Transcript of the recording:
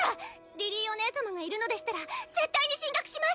リリィーお姉様がいるのでしたら絶対に進学します！